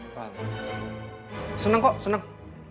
wah seneng kok seneng